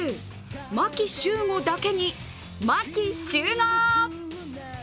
牧秀悟だけに、牧、集合！